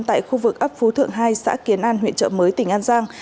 tại khu vực ấp phú thượng hai xã kiến an huyện trợ mới tỉnh an giang